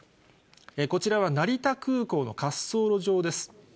こちらは成田空港の滑走路上です。